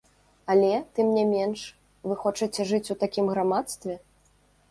Але, тым не менш, вы хочаце жыць у такім грамадстве?